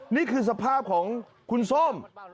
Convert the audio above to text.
นี่คือสภาพของคุณส้ม